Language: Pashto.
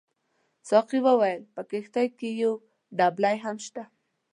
ساقي وویل په کښتۍ کې یو دبلۍ هم شته.